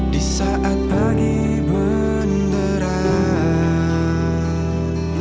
di saat pagi benderang